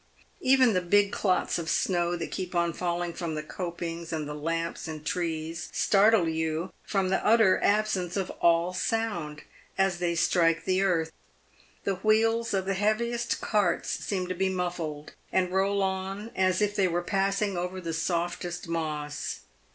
Even the big clots of snow that keep on falling from the copings and the lamps and trees, startle you, from the utter absence of all sound, as they strike the earth. The wheels of the heaviest carts seem to be muffled, and roll on as if they were passing over the softest moss.